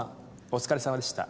お疲れさまでした。